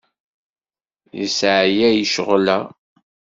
Yesseɛyay ccɣel-a.